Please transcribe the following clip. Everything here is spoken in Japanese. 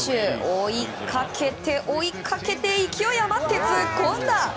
追いかけて追いかけて勢い余って突っ込んだ！